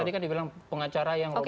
tadi kan dibilang pengacara yang